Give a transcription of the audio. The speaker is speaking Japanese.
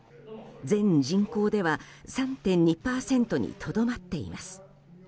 全人口では３．２％にとどまっています。